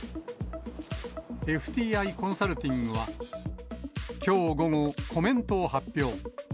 ＦＴＩコンサルティングは、きょう午後、コメントを発表。